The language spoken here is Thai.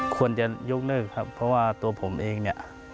ควรจะยกเลิกครับเพราะว่าตัวผมเองเนี่ย